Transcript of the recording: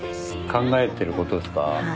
考えてることですか？